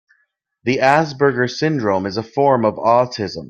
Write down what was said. The Asperger syndrome is a form of autism.